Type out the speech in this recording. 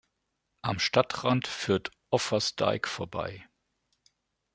Am Stadtrand führt Offa’s Dyke vorbei.